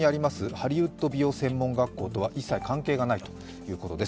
ハリウッド美容専門学校とは一切関係がないということです。